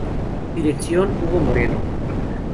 Dirección Hugo Moreno.